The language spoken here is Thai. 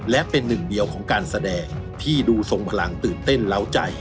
และเป็นหนึ่งเดียวของการแสดงที่ดูทรงพลังตื่นเต้นเล้าใจ